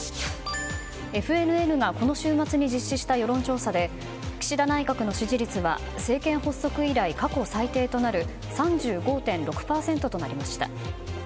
ＦＮＮがこの週末に実施した世論調査で岸田内閣の支持率は政権発足以来、過去最低となる３５．６％となりました。